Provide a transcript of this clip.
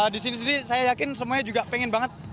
di sini sendiri saya yakin semuanya juga pengen banget